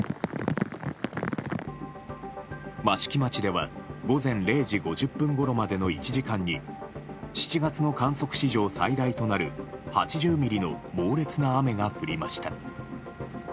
益城町では午前０時５０分ごろまでの１時間に７月の観測史上最大となる８０ミリの猛烈な雨が降りました。